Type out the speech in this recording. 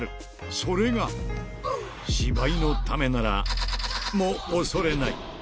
それが、芝居のためなら×××もおそれない。